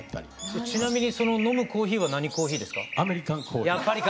ちなみにその飲むコーヒーは何コーヒーですか？